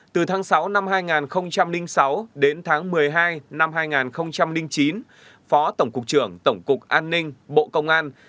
từ tháng sáu năm hai nghìn sáu đến tháng một mươi hai năm hai nghìn chín phó tổng cục trưởng tổng cục an ninh bộ công an